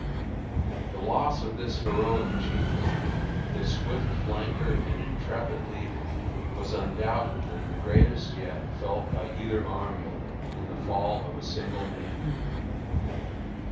'" The loss of this heroic chieftain, this swift flanker and intrepid leader, was undoubtedly the greatest yet felt by either army in the fall of a single man.